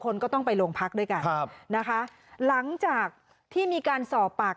คนก็ต้องไปโรงพักด้วยกันครับนะคะหลังจากที่มีการสอบปาก